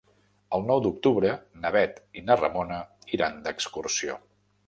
El nou d'octubre na Bet i na Ramona iran d'excursió.